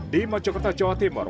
di mojokerto jawa timur